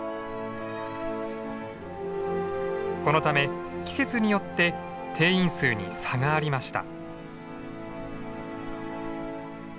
このため季節によって定員数に差がありました。